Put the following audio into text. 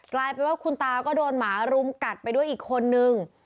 กลายเป็นว่าคุณตาก็โดนหมารุมกัดไปด้วยอีกคนนึง